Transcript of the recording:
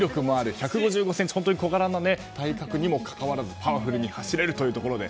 １５５ｃｍと本当に小柄な体格にもかかわらずパワフルに走れるということで。